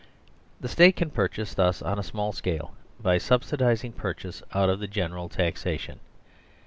The State can purchase thus on a small scale by subsi dising purchase out of the general taxation.